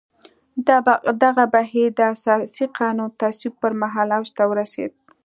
دغه بهیر د اساسي قانون تصویب پر مهال اوج ته ورسېد.